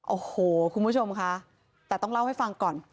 โอ้โหคุณผู้ชมค่ะแต่ต้องเล่าให้ฟังก่อน